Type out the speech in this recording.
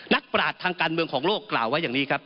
ปราศทางการเมืองของโลกกล่าวไว้อย่างนี้ครับ